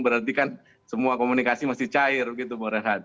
berarti kan semua komunikasi masih cair gitu bolehlah